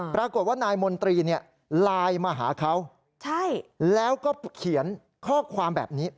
ปรากฏว่านายมนตรีเนี่ยไลน์มาหาเขาแล้วก็เขียนข้อความแบบนี้